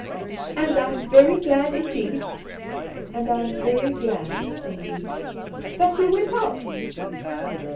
" And I'm very glad in deed "'' And I'm very glad indeed ''" That you went out."